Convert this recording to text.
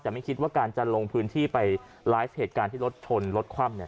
แต่ไม่คิดว่าการจะลงพื้นที่ไปไลฟ์เหตุการณ์ที่รถชนรถคว่ำเนี่ย